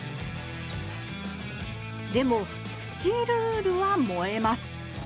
でもスチールウールは燃えます。